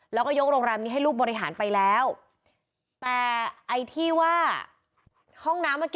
แล้วก็ยกโรงแรมนี้ให้ลูกบริหารไปแล้วแต่ไอ้ที่ว่าห้องน้ำเมื่อกี้